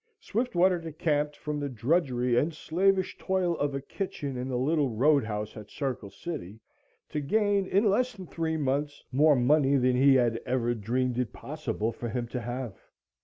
Swiftwater decamped from the drudgery and slavish toil of a kitchen in the little road house at Circle City to gain in less than three months more money than he had ever dreamed it possible for him to have.